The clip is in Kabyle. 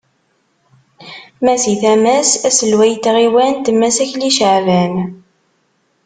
Ma si tama-s, aselway n tɣiwant Mass Akli Caɛban.